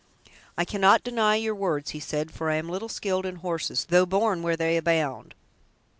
"I cannot deny your words," he said, "for I am little skilled in horses, though born where they abound.